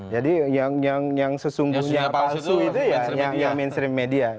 jadi yang sesungguhnya palsu itu ya mainstream media